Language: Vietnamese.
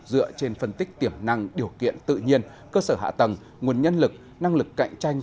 dựa trên phân tích tiềm năng điều kiện tự nhiên cơ sở hạ tầng nguồn nhân lực năng lực cạnh tranh